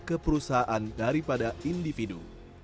keperusahaan daripada individu